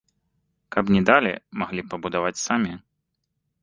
Каб не далі, маглі б пабудаваць самі.